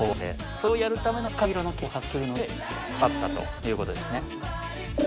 それをやるための色素が赤色の蛍光を発するので光ったということですね。